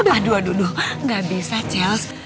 aduh aduh aduh nggak bisa chels